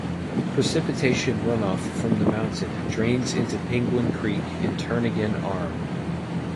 Precipitation runoff from the mountain drains into Penguin Creek and Turnagain Arm.